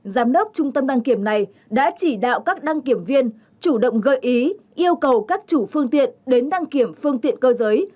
giám đốc trung tâm đăng kiểm này đã chỉ đạo các đăng kiểm viên chủ động gợi ý yêu cầu các chủ phương tiện đến đăng kiểm phương tiện cơ giới